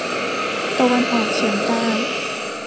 ตะวันออกเฉียงใต้